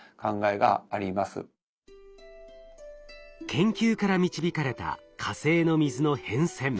研究から導かれた火星の水の変遷。